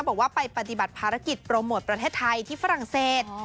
บอกว่าไปปฏิบัติภารกิจโปรโมทประเทศไทยที่ฝรั่งเศส